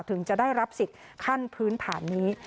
ถึงจะได้รับสิทธิ์ขั้นพื้นฐานนี้